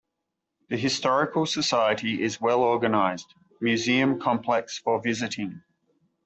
The historical society is well organized, museum complex for visiting.